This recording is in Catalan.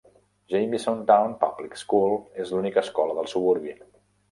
Jaminsontown Public School és l'única escola del suburbi.